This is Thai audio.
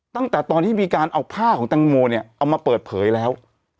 ตั้งแต่ตอนที่มีการเอาผ้าของแตงโมเนี่ยเอามาเปิดเผยแล้ว